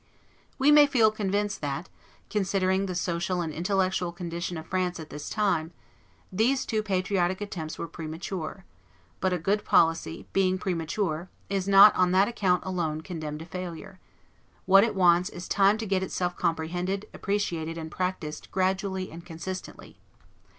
We may feel convinced that, considering the social and intellectual condition of France at this time, these two patriotic attempts were premature; but a good policy, being premature, is not on that account alone condemned to failure; what it wants is time to get itself comprehended, appreciated, and practised gradually and consistently.